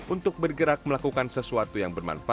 untuk bergerak melakukan sesuatu yang bermanfaat